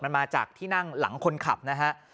มันมาจากที่นั่งหลังคนขับนะฮะ